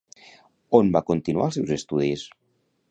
On va continuar els seus estudis?